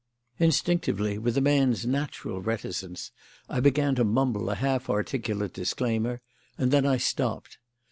Instinctively, with a man's natural reticence, I began to mumble a half articulate disclaimer; and then I stopped.